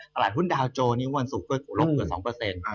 ตลาดหุ้นดาวโจนี้วันศุกร์ก็ลบเกือบ๒เปอร์เซ็นต์